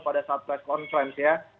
pada saat press conference ya